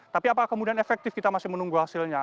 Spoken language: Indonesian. tapi apakah kemudian efektif kita masih menunggu hasilnya